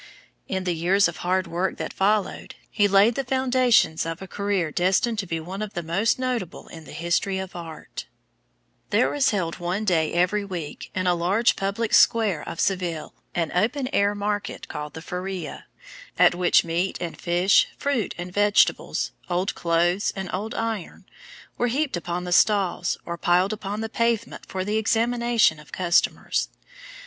In the years of hard work that followed, he laid the foundations of a career destined to be one of the most notable in the history of art. [Illustration: BEGGAR BOYS. MURILLO.] There was held one day every week, in a large public square of Seville, an open air market called the Feria, at which meat and fish, fruit and vegetables, old clothes and old iron, were heaped upon stalls or piled upon the pavement for the examination of customers.